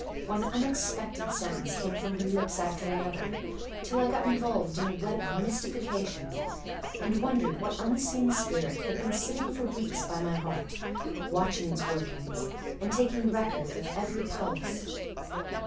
One unexpected sentence came from her lips after another, till I got involved in a web of mystification; and wondered what unseen spirit had been sitting for weeks by my heart watching its workings and taking record of every pulse.